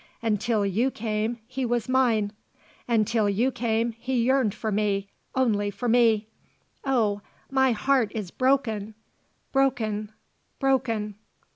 Until you came he was mine. Until you came he yearned for me only for me. Oh, my heart is broken! broken! broken!"